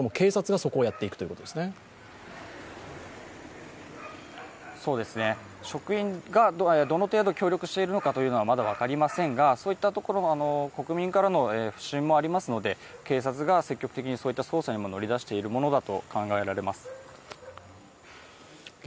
そうですね、職員がどの程度協力しているかというのはまだ分かりませんが、そういったところ国民の不信もありますので警察が積極的に捜査にも乗り出しているものだと考えられます。